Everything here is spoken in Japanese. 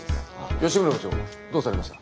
吉村部長どうされました？